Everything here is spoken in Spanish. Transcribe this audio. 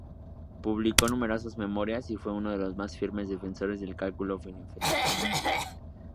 Publicó numerosas memorias y fue uno de los más firmes defensores del cálculo infinitesimal.